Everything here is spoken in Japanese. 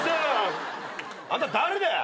あんた誰だよ？